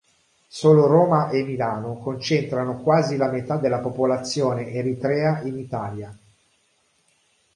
Solo Roma e Milano concentrano quasi la metà della popolazione eritrea in Italia.